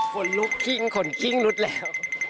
คนลุกขิ้งขนคิ้งหลุดแล้ว